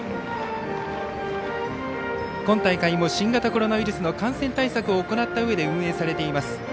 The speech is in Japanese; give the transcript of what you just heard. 今大会も新型コロナウイルスの感染対策を行ったうえで運営されています。